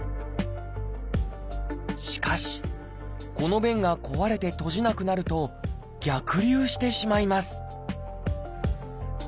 しかしこの弁が壊れて閉じなくなると逆流してしまいます